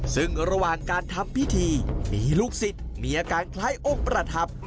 ซึ่งระหว่างการทำพิธีมีลูกศิษย์มีอาการคล้ายองค์ประทับ